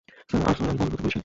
Sir, Arslan মহাবিপদে পড়েছে।